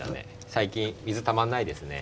最近水たまんないですね